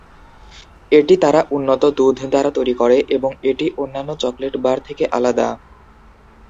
এটি তারা উন্নত দুধ দ্বারা তৈরি করে এবং এটি অন্যান্য চকলেট বার থেকে আলাদা।